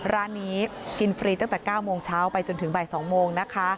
ร้านนี้กินฟรีตั้งแต่๙โมงเช้าไปจนถึงบ่าย๒โมงนะคะ